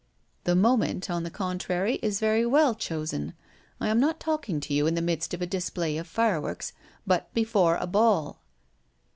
"The moment, on the contrary, is very well chosen. I am not talking to you in the midst of a display of fireworks, but before a ball."